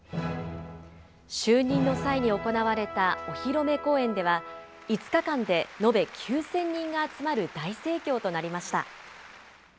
就任の際に行われたお披露目公演では、５日間で延べ９０００人が集まる大盛況となりました。